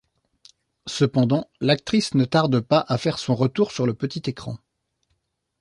Cependant, l'actrice ne tarde pas à faire son retour sur le petit écran.